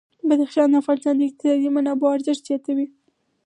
بدخشان د افغانستان د اقتصادي منابعو ارزښت زیاتوي.